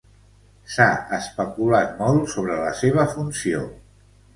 S'ha especulat molt sobre la seva funció.